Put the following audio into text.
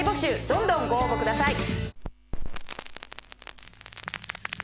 どんどんご応募ください。